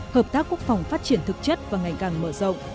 hợp tác quốc phòng phát triển thực chất và ngày càng mở rộng